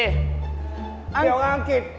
เกี่ยวกับอังกฤษ